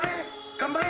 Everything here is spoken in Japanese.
頑張れ！